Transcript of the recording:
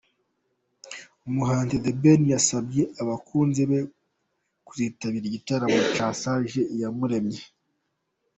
Umuhanzi The Ben yasabye abakunzi be kuzitabira igitaramo cya Serge Iyamuremye.